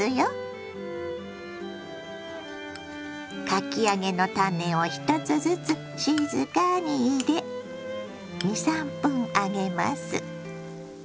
かき揚げのタネを１つずつ静かに入れ２３分揚げます。